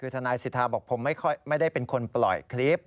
คือทนายสิทธาบอกผมไม่ได้เป็นคนปล่อยคลิป